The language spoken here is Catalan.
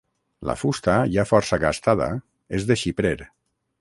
La fusta, ja força gastada, és de xiprer.